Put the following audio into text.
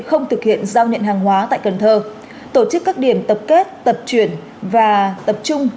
không thực hiện giao nhận hàng hóa tại cần thơ tổ chức các điểm tập kết tập chuyển và tập trung